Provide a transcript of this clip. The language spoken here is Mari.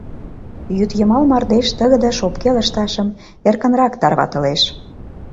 Йӱдйымал мардеж тыгыде шопке лышташым эркынрак тарватылеш.